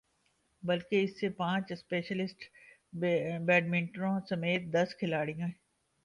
بلکہ اس میں پانچ اسپیشلسٹ بیٹسمینوں سمیت دس کھلاڑی